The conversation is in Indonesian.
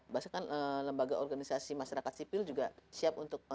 bahkan lembaga organisasi masyarakat sipil juga siap untuk